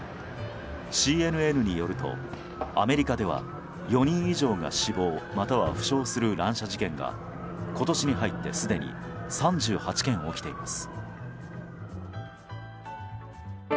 ＣＮＮによるとアメリカでは４人以上が死亡または負傷する乱射事件が今年に入ってすでに３８件起きています。